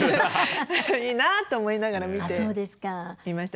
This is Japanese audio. いいなって思いながら見ていました。